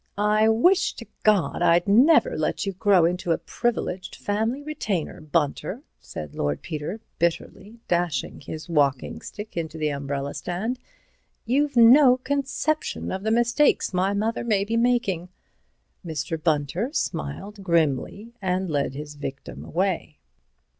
"I wish to God I'd never let you grow into a privileged family retainer, Bunter," said Lord Peter, bitterly, dashing his walking stick into the umbrella stand. "You've no conception of the mistakes my mother may be making." Mr. Bunter smiled grimly and led his victim away.